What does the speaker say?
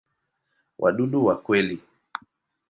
Wadudu wa kweli.